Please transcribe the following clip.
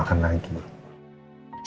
sebenernya aku mikirin abimana